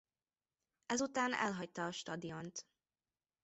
Ezután elhagyta a stadiont.